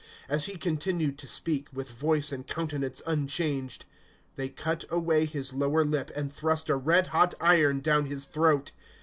As he continued to speak, with voice and countenance unchanged, they cut away his lower lip and thrust a red hot iron down his throat.